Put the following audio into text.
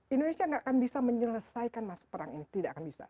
indonesia tidak akan bisa menyelesaikan mas perang ini tidak akan bisa